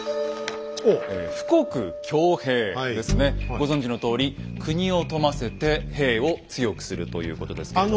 ご存じのとおり国を富ませて兵を強くするということですけれども。